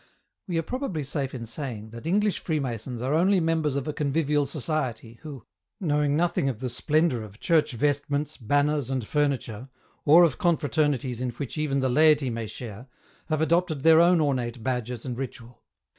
We are probably safe in saying that English Freemasons are only members of a convivial society, who, knowing nothing of the splendour of Church vestments, banners and furniture, or of confraternities in which even the laity may share, have adopted their own ornate badges and ritual.